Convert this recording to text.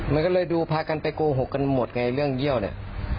มันก็เลยดูพากันไปโกหกกันหมดไงเรื่องเยี่ยวเนี่ย